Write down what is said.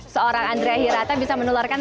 seorang andrea hirata bisa menularkan